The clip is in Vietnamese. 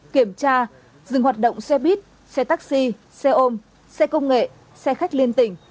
kiểm tra dừng hoạt động xe buýt xe taxi xe ôm xe công nghệ xe khách liên tỉnh